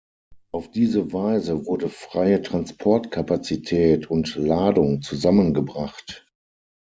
Auf diese Weise wurde freie Transportkapazität und Ladung zusammengebracht.